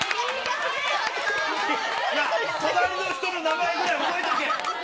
隣の人の名前ぐらい覚えとけ。